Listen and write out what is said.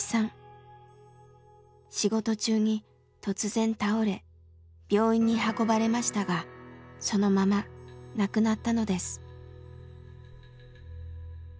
仕事中に突然倒れ病院に運ばれましたがそのまま亡くなったのです。